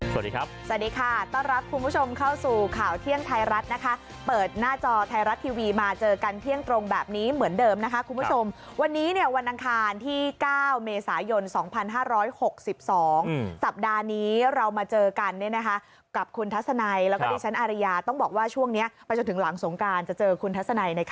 สวัสดีครับสวัสดีค่ะต้อนรับคุณผู้ชมเข้าสู่ข่าวเที่ยงไทยรัฐนะคะเปิดหน้าจอไทยรัฐทีวีมาเจอกันเที่ยงตรงแบบนี้เหมือนเดิมนะคะคุณผู้ชมวันนี้เนี่ยวันอังคารที่๙เมษายน๒๕๖๒สัปดาห์นี้เรามาเจอกันเนี่ยนะคะกับคุณทัศนัยแล้วก็ดิฉันอารยาต้องบอกว่าช่วงนี้ไปจนถึงหลังสงการจะเจอคุณทัศนัย